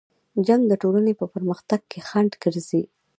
جنګ د ټولنې په پرمختګ کې خنډ ګرځي.